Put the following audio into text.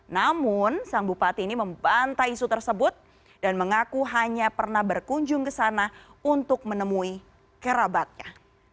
namun sang bupati ini membantai isu tersebut dan mengaku hanya pernah berkunjung ke sana untuk menemui kerabatnya